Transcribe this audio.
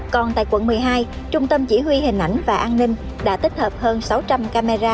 còn tại quận một mươi hai trung tâm chỉ huy hình ảnh và an ninh đã tích hợp hơn sáu trăm linh camera